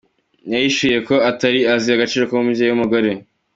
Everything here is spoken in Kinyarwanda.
Yahishuye ko atari azi agaciro k’umubyeyi w’umugore.